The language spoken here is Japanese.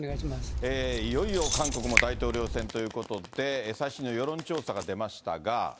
いよいよ韓国も大統領選ということで、最新の世論調査が出ましたが。